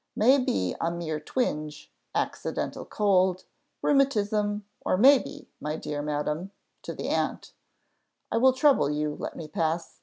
"May be a mere twinge, accidental cold, rheumatism; or may be My dear madam" (to the aunt), "I will trouble you; let me pass.